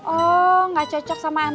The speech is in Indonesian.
oh gak cocok sama pak anam